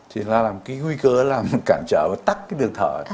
thì nó là một cái nguy cơ làm cản trở và tắc cái đường thở